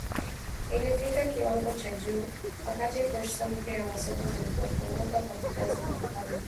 ilifikia kiwango cha juu wakati fursa mpya za masoko zilipofunguka kwa bidhaa za Kampala